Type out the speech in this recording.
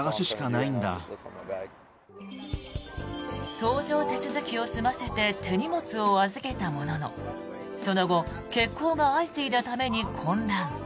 搭乗手続きを済ませて手荷物を預けたもののその後、欠航が相次いだために混乱。